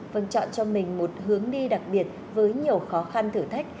vâng chọn cho mình một hướng đi đặc biệt với nhiều khó khăn thử thách